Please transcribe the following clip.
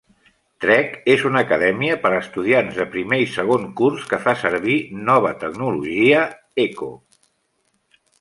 Trek és una acadèmia per a estudiants de primer i segon curs que fa servir nova tecnologia: Echo.